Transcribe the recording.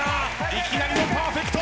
いきなりのパーフェクト！